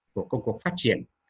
của công cuộc phát triển